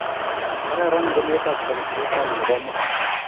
Kararan ngoryet ap kanetindet rani ne po iman